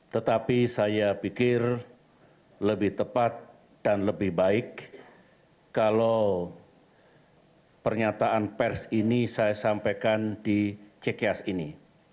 tetapi saya pikir lebih tepat dan lebih baik kalau pernyataan pers ini saya sampaikan di cks ini